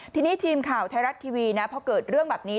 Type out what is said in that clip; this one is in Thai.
ทีนี้ทีมข่าวไทยรัฐทีวีนะพอเกิดเรื่องแบบนี้